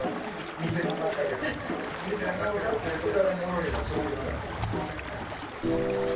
見てなかったけど絶対おもろいな。